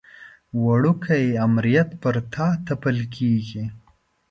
وړوکی امریت پر تا تپل کېږي.